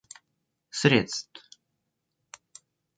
средств